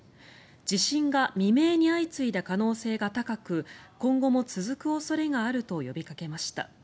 地震が未明に相次いだ可能性が高く今後も続く恐れがあると呼びかけました。